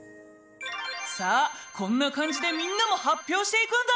さあこんなかんじでみんなもはっぴょうしていくんだ！